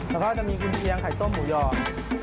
แล้วก็จะมีกุญเชียงไข่ต้มหมูยอง